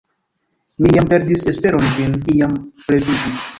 Mi jam perdis esperon vin iam revidi!